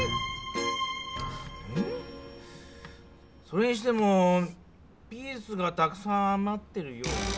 それにしてもピースがたくさんあまってるような？